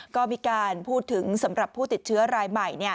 ก็มีการพูดถึงสำหรับผู้ติดเชื้อรายใหม่